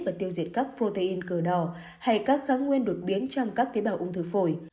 và tiêu diệt các protein cờ đỏ hay các kháng nguyên đột biến trong các tế bào ung thư phổi